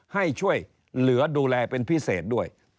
ให้ช่วยเหลือดูแลเป็นพิเศษด้วย